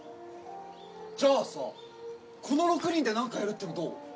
じゃあさこの６人で何かやるっていうのどう？